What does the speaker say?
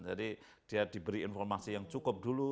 jadi dia diberi informasi yang cukup dulu